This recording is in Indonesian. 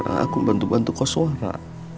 sekarang aku bantu bantu kau sewara